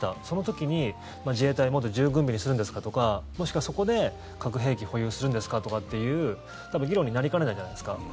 その時に、自衛隊をもっと重軍備にするんですかとかもしくは、そこで核兵器保有するんですかとかっていう多分、議論になりかねないじゃないですか。